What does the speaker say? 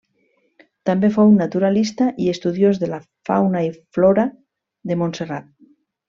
També fou naturalista i estudiós de la fauna i flora de Montserrat.